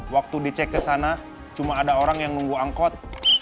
waktu dicek ke sana cuma ada orang yang nunggu angkot